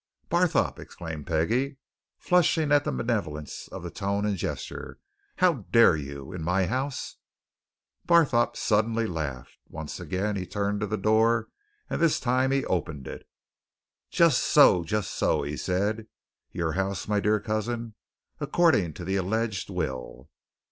"Barthorpe!" exclaimed Peggie, flushing at the malevolence of the tone and gesture. "How dare you! In my house " Barthorpe suddenly laughed. Once again he turned to the door and this time he opened it. "Just so just so!" he said. "Your house, my dear cousin according to the alleged will."